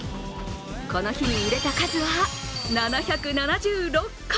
この日に売れた数は７７６個。